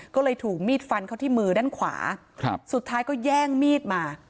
ก็เลยถูกมีดฟันเขาที่มือด้านขวาสุดท้ายก็แย่งมีดมา